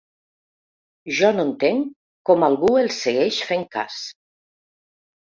Jo no entenc com algú els segueix fent cas.